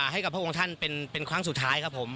ให้กับพระองค์ท่านเป็นครั้งสุดท้ายครับผม